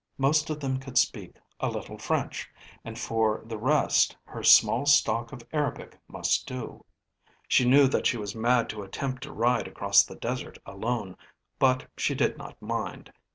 Most of them could speak a little French, and for the rest her small stock of Arabic must do. She knew that she was mad to attempt to ride across the desert alone, but she did not mind.